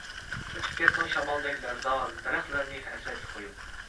ئۆتۈپ كەتتىڭ شامالدەك لەرزان، دەرەخلەرنى ھەسرەتكە قويۇپ.